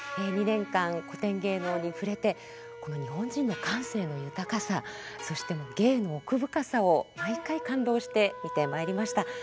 ２年間古典芸能に触れてこの日本人の感性の豊かさそして芸の奥深さを毎回感動して見てまいりました。